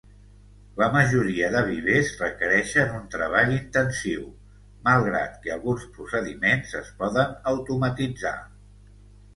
La majoria de vivers requereixen un treball intensiu, malgrat que alguns procediments es poden automatitzar.